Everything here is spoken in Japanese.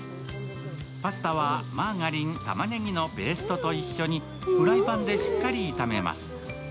パスタは、マーガリン、たまねぎのペーストと一緒にフライパンでしっかり炒めます。